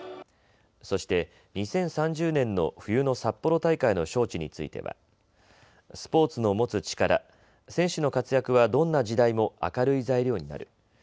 そして、２０３０年の冬の札幌大会の招致についてはスポーツの持つ力、選手の活躍はどんな時代も明るい材料になる。